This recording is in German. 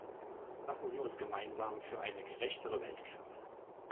Lassen Sie uns gemeinsam für eine gerechtere Welt kämpfen.